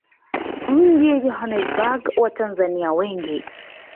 mjini Johannesburg Watanzania wengi